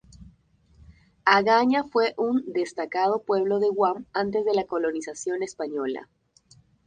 Agaña fue un destacado pueblo de Guam antes de la colonización española.